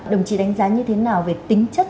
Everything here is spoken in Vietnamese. đồng chí đánh giá như thế nào về tính chất